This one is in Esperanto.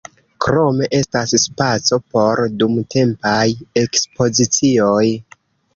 Krome estas spaco por dumtempaj ekspozicioj.